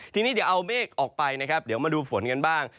ทีนี้เดี๋ยวเอาเมฆออกไปนะครับเดี๋ยวมาดูฝนกันบ้าง